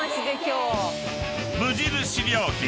［無印良品